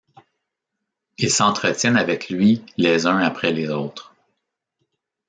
Ils s'entretiennent avec lui les uns après les autres.